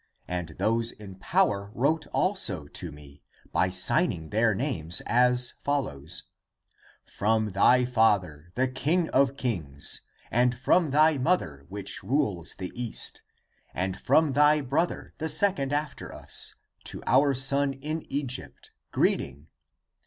And those in power wrote also to me. By signing their names, as follows :' From thy father, the king of kings, And from thy mother, which rules the East, And from thy brother, the second after us. To our son in Egypt, Greeting!